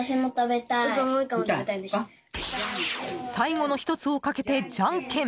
最後の１つをかけてじゃんけん！